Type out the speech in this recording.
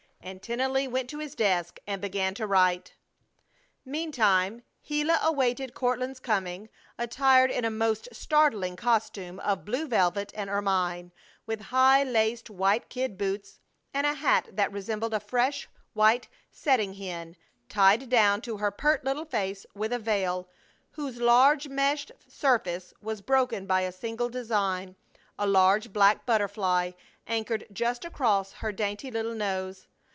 and Tennelly went to his desk and began to write. Meantime Gila awaited Courtland's coming, attired in a most startling costume of blue velvet and ermine, with high laced white kid boots, and a hat that resembled a fresh, white setting hen, tied down to her pert little face with a veil whose large meshed surface was broken by a single design, a large black butterfly anchored just across her dainty little nose.